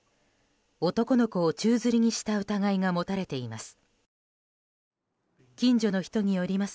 男の子を宙づりにした疑いが持たれています。